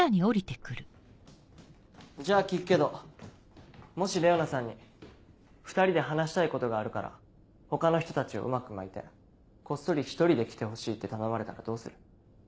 じゃあ聞くけどもしレオナさんに「２人で話したいことがあるから他の人たちをうまくまいてこっそり１人で来てほしい」って頼まれたらどうする？